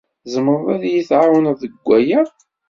Tzemreḍ ad iyi-tɛawneḍ deg waya?